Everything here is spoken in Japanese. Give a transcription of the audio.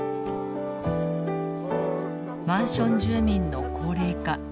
マンション住民の高齢化。